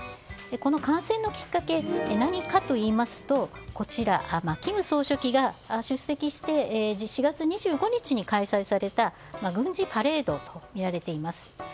この感染のきっかけは何かといいますとこちら、金総書記が出席して４月２５日に開催された軍事パレードとみられています。